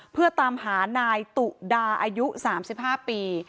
เพื่อตามหานายตุดาอายุสามสิบห้าปี